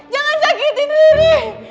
jangan sakiti diri